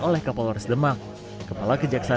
oleh kapolres demak kepala kejaksaan